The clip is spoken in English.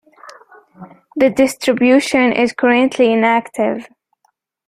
The distribution is currently inactive.